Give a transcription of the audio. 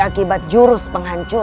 akibat jurus penghancur